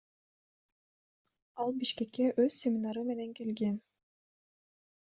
Ал Бишкекке өз семинары менен келген.